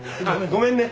ごめんね。